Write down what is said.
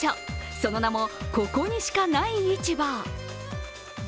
その名もここにしかないいちば。